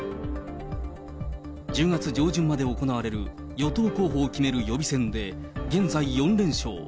１０月上旬まで行われる与党候補を決める予備選で、現在４連勝。